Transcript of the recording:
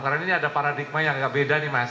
karena ini ada paradigma yang enggak beda nih mas